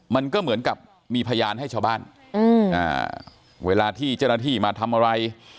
มันก็เหมือนกับมีพยานให้ชาวบ้านเวลาที่เจ้าหน้าที่มาทำอะไร